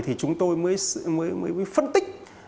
thì chúng tôi mới phân tích